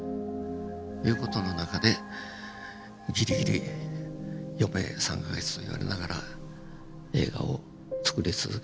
いう事の中でギリギリ余命３か月と言われながら映画をつくり続けていますと。